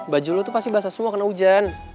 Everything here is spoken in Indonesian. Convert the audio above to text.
baju lo tuh pasti basah semua kena hujan